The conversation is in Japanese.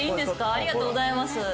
ありがとうございます。